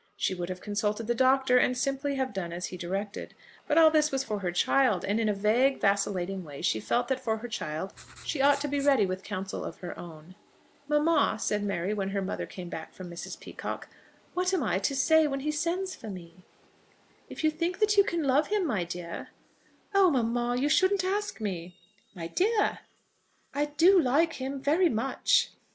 She would have consulted the Doctor, and simply have done as he directed. But all this was for her child, and in a vague, vacillating way she felt that for her child she ought to be ready with counsel of her own. "Mamma," said Mary, when her mother came back from Mrs. Peacocke, "what am I to say when he sends for me?" "If you think that you can love him, my dear " "Oh, mamma, you shouldn't ask me!" "My dear!" "I do like him, very much."